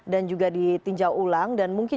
dan juga ditinjau ulang dan mungkin